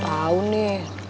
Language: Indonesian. terus gape gape ah